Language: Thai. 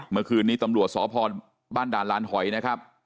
เมื่อคืนนี้ตำรวจสพบ้านด่านลานหอยนะครับ